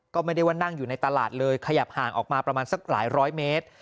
ก็ไม่ได้ว่านั่งอยู่ในตลาดเลยขยับห่างออกมาประมาณสักหลายร้อยเมตร